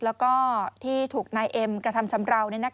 แล้วก็ที่ถูกนายเอ็มกระทำชำราว